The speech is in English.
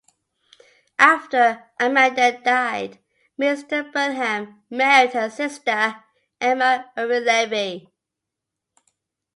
After Amanda died, Mr. Bernheim married her sister, Emma Uri Levy.